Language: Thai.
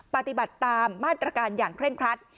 ปฏิบัติตามมาตรการอย่างเคร่งครัด